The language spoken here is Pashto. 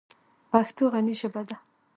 پښتو غني ژبه ده.